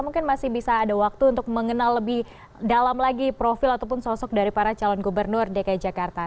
mungkin masih bisa ada waktu untuk mengenal lebih dalam lagi profil ataupun sosok dari para calon gubernur dki jakarta